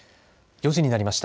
４時になりました。